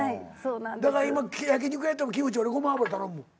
だから今焼き肉屋行ってもキムチ俺ごま油頼むもん。